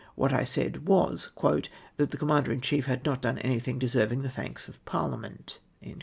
AYliat I said was, " that the Commander in chief had not done anything deserving the thanks of ParUament."